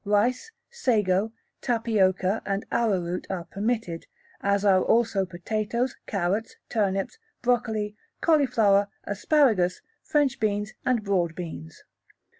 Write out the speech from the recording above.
Rice, sago, tapioca, and arrowroot are permitted, as are also potatoes, carrots, turnips, broccoli, cauliflower, asparagus, French beans, and broad beans.